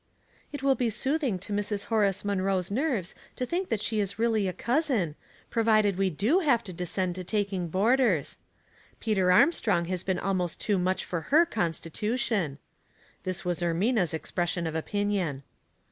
*' It will be soothing to Mrs. Horace Munroe's nerves to think that she is really a cousin, provided we do have to descend to taking boarders. Peter Armstrong has been almost too much for her constitution." This was Ermina's expression of opinion.